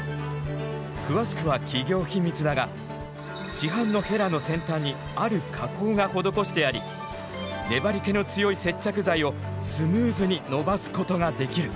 詳しくは企業秘密だが市販のヘラの先端にある加工が施してあり粘り気の強い接着剤をスムーズに伸ばすことができる。